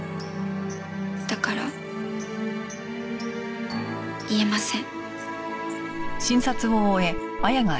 だから言えません。